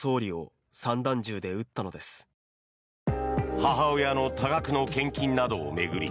母親の多額の献金などを巡り